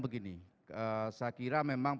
begini saya kira memang